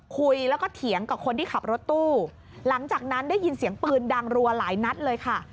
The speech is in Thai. คุยแล้วก็เถียงกับคนที่ขับรถตู้หลังจากนั้นได้ยินเสียงปืนดังรัวหลายนัดเลยค่ะ